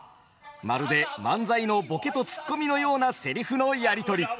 まるで漫才のボケとツッコミのようなセリフのやり取り。